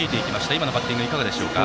今のバッティングいかがですか。